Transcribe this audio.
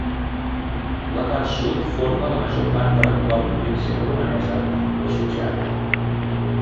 La part sud forma la major part de l'actual província romanesa de Suceava.